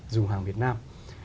dùng hàng việt nam